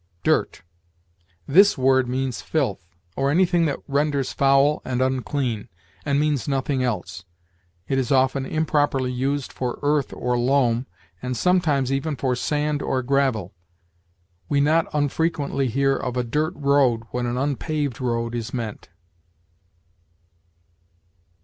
DIRT. This word means filth or anything that renders foul and unclean, and means nothing else. It is often improperly used for earth or loam, and sometimes even for sand or gravel. We not unfrequently hear of a dirt road when an unpaved road is meant.